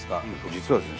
実はですね